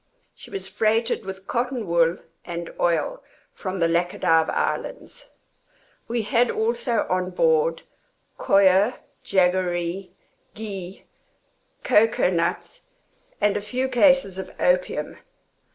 She was freighted with cotton wool and oil, from the Lachadive islands. We had also on board coir, jaggeree, ghee, cocoa nuts, and a few cases of opium.